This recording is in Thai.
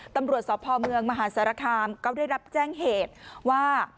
ตำรวจสพเมืองมหาสารคามก็ได้รับแจ้งเหตุว่า